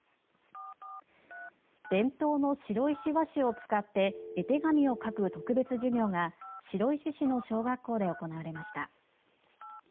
伝統の白石和紙を使って絵手紙を書く特別授業が白石市の小学校で行われました。